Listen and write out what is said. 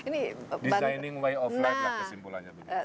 designing way of life lah kesimpulannya